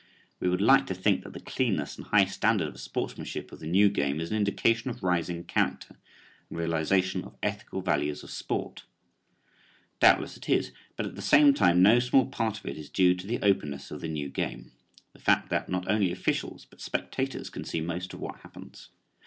We would like to think that the cleanness and high standard of sportsmanship of the new game is an indication of rising character and realization of ethical values of sport. Doubtless it is, but at the same time no small part of it is due to the openness of the new game; the fact that not only officials but spectators can see most of what happens.